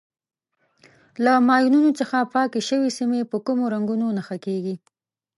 له ماینو څخه پاکې شوې سیمې په کومو رنګونو نښه کېږي.